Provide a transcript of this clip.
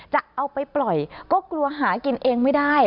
จะเอาไปปล่อยก็กลัวหากินเองไม่ได้